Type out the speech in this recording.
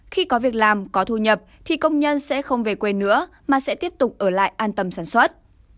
khi có việc làm có thu nhập thì công nhân sẽ không về quê nữa mà sẽ tiếp tục ở lại an tâm sản xuất